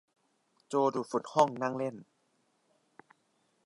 โจดูดฝุ่นห้องนั่งเล่น